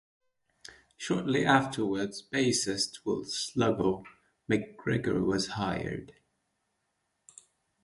Shortly afterwards, bassist Will "Sluggo" MacGregor was hired.